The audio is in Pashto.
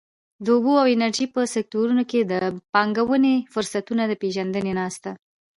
د اوبو او انرژۍ په سکټورونو کې د پانګونې فرصتونو د پېژندنې ناسته.